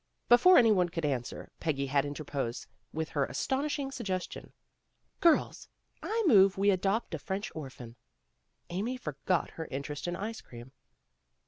Before any one could answer, Peggy had in terposed with her astonishing suggestion. "Girls, I move we adopt a French orphan." Amy forgot her interest in ice cream.